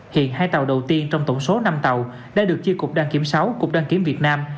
hiện hai tàu đầu tiên trong tổng số năm tàu đã được chia cục đoàn kiểm sáu cục đoàn kiểm việt nam